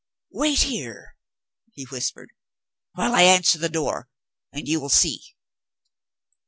"Wait here," he whispered, "while I answer the door and you will see."